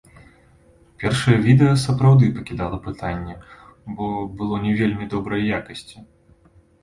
Першае відэа сапраўды пакідала пытанні, бо было не вельмі добрай якасці.